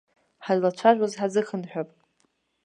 Ҳазлацәажәоз ҳазыхынҳәып.